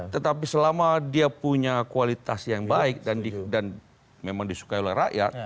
tetapi selama dia punya kualitas yang baik dan memang disukai oleh rakyat